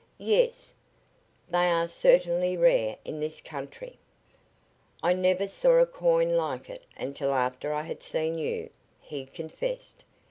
"Yes. They are certainly rare in this country." "I never saw a coin like it until after I had seen you," he confessed.